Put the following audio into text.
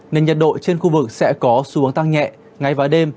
nên nhật độ trên khu vực sẽ có xu hướng tăng nhẹ ngay vào đêm